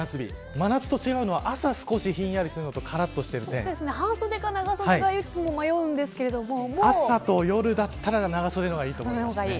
真夏と違うのは、朝少しひんやりするのと半袖か長袖が朝と夜だったら長袖のがいいと思います。